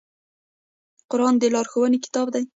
قرآن د لارښوونې کتاب دی